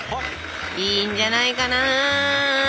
いいんじゃないかな。